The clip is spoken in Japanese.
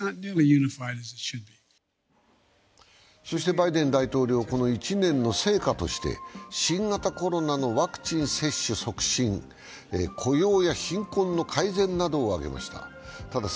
そしてバイデン大統領、この１年の成果として新型コロナのワクチン接種促進、雇用や貧困の改善などを挙げました。